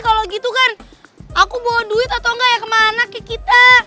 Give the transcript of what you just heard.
kalau gitu kan aku bawa duit atau enggak ya kemana ke kita